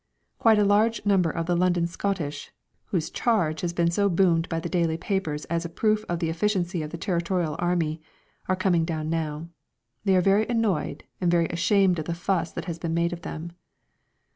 Quite a number of the London Scottish whose "charge" has been so boomed by the daily papers as a proof of the efficiency of the Territorial Army are coming down now. They are very annoyed and very ashamed of the fuss that has been made of them.